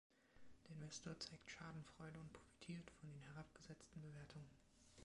Der Investor zeigt Schadenfreude und profitiert von den herabgesetzten Bewertungen.